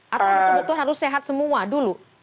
atau betul betul harus sehat semua dulu